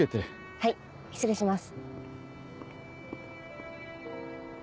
はい失礼します。